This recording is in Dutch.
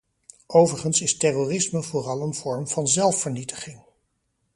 Overigens is terrorisme vooral een vorm van zelfvernietiging.